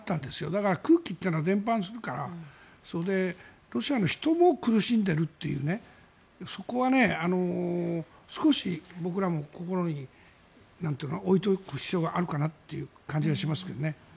だから、空気というのは伝播するからロシアの人も苦しんでいるっていうそこは少し僕らも心においておく必要があるかなという感じがします。